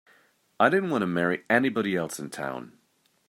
I didn't want to marry anybody else in town.